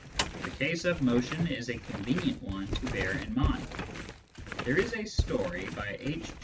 The case of motion is a convenient one to bear in mind. There is a story by H.